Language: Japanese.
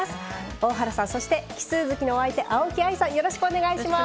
大原さんそして奇数月のお相手青木愛さんよろしくお願いします。